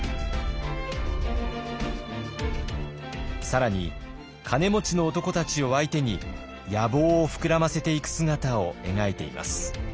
更に金持ちの男たちを相手に野望を膨らませていく姿を描いています。